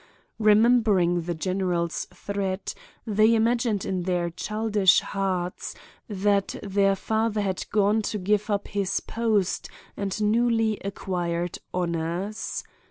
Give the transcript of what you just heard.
Remembering the general's threat, they imagined in their childish hearts that their father had gone to give up his post and newly acquired honors.